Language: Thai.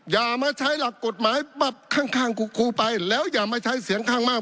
อย่ามาใช้หลักกฎหมายปับข้างครูไปแล้วอย่ามาใช้เสียงข้างมาก